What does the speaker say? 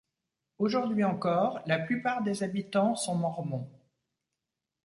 Aujourd’hui encore la plupart des habitants sont mormons.